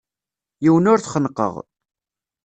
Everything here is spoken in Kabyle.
Yiwen ur t-xennqeɣ.